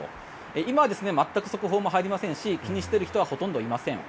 今は全く速報も入りませんし気にしている人はいません。